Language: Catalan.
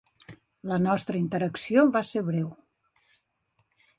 La nostra interacció va ser breu.